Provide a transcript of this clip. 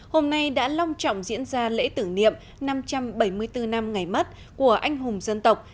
hôm nay đã long trọng diễn ra lễ tưởng niệm năm trăm bảy mươi bốn năm ngày mất của anh hùng dân tộc